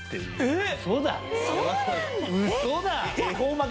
えっ！